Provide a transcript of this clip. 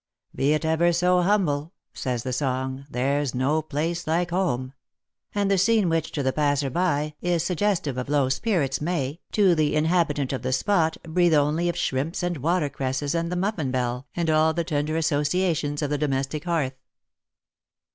" Be it ever so humble," says the song, " there's no place like home ;" and the scene which, to the passer by, is suggestive of low spirits may, to the inha bitant of the spot, breathe only of shrimps and water cresses and the muffin bell, and all the tender associations of the domestic hearth.